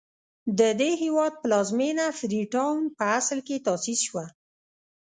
د دې هېواد پلازمېنه فري ټاون په اصل کې تاسیس شوه.